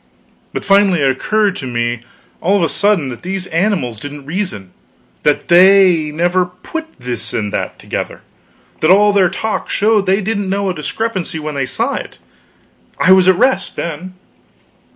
But finally it occurred to me all of a sudden that these animals didn't reason; that they never put this and that together; that all their talk showed that they didn't know a discrepancy when they saw it. I was at rest, then.